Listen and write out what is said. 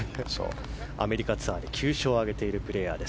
アメリカツアーで９勝を挙げているプレーヤーです。